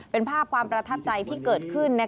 เป็นภาพความประทับใจที่เกิดขึ้น